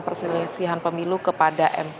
perselisihan pemilu kepada mk